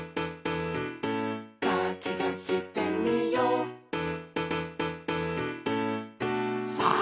「かきたしてみよう」さあ！